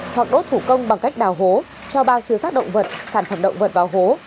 hoặc đốt thủ công bằng cách đào hố cho bao chứa sát động vật sản phẩm động vật vào hố